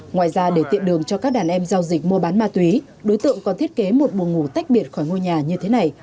ngoài ra để tiện đường cho các đàn em giao dịch mua bán ma túy đối tượng còn thiết kế một mùa ngủ tách biệt khỏi ngôi nhà như thế này